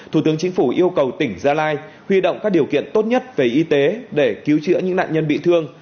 thủ tướng chính phủ yêu cầu tỉnh gia lai huy động các điều kiện tốt nhất về y tế để cứu chữa những nạn nhân bị thương